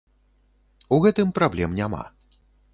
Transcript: У гэтым праблем няма.